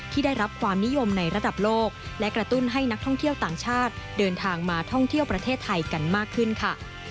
ได้รับความนิยมในระดับโลกและกระตุ้นให้นักท่องเที่ยวต่างชาติเดินทางมาท่องเที่ยวประเทศไทยกันมากขึ้นค่ะ